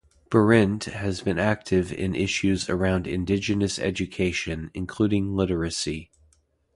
Behrendt has been active in issues around Indigenous education including literacy.